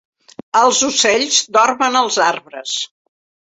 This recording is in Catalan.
Els ocells dormen als arbres.